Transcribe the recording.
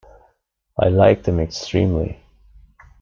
I like them extremely.